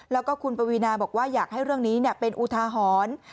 แล้วก็คุณปวีนาบอกว่าอยากให้เรื่องนี้เป็นอุทาหรณ์